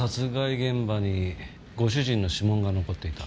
現場にご主人の指紋が残っていた。